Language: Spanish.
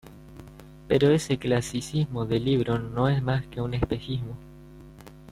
Pero ese clasicismo de libro no es más que un espejismo.